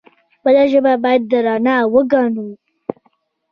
خپله ژبه باید درنه وګڼو.